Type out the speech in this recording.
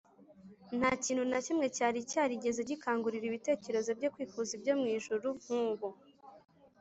. Nta kintu na kimwe cyari cyarigeze gikangurira ibitekerezo bye kwifuza ibyo mw’ijuru nkubu